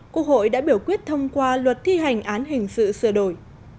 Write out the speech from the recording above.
quốc hội đã biểu quyết thông qua luật thi hành án hình sự sửa đổi